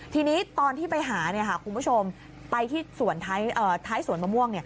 ทีนี้ตอนที่ไปหาคุณผู้ชมไปที่สวนท้ายสวนมะม่วง